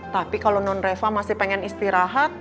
tapi kalau non reva masih pengen istirahat